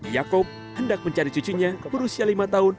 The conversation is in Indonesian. yaakob hendak mencari cucunya berusia lima tahun